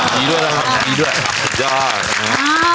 ดีด้วยนะครับดีด้วยยอด